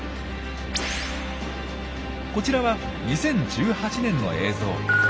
こちらは２０１８年の映像。